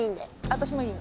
私もいい？